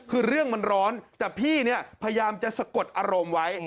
คือเรื่องมันร้อนแต่พี่เนี่ยพยายามจะสะกดอารมณ์ไว้